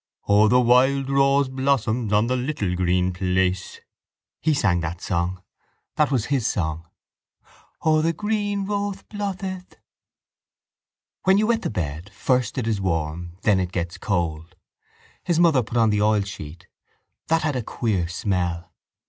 O, the wild rose blossoms On the little green place. He sang that song. That was his song. O, the green wothe botheth. When you wet the bed, first it is warm then it gets cold. His mother put on the oilsheet. That had the queer smell.